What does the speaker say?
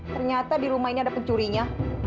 ternyata di rumah ini ada pencurinya